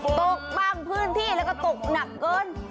ตกบางพื้นที่แล้วก็ตกหนักเกิน